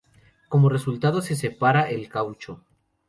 Como resultado, se separa el caucho.